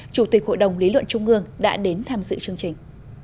chủ tịch hội đồng lý luận trung ương đã đến tham dự chương trình